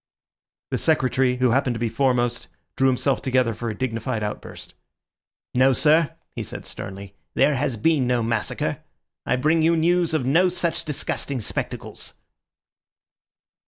The Secretary, who happened to be foremost, drew himself together for a dignified outburst. "No, sir," he said sternly "there has been no massacre. I bring you news of no such disgusting spectacles."